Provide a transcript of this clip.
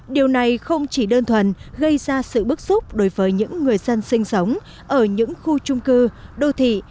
điều này không chỉ đơn thuần gây ra sự bức xúc đối với những người dân sinh sống ở những khu trung cư đô thị